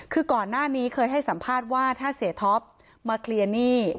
คือก่อนหน้านี้เคยให้สัมภาษณ์ว่าถ้าเสียท็อปมาเคลียร์หนี้